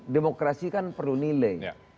demokrasi kan perlu nilai